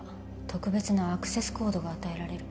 特別なアクセスコードが与えられる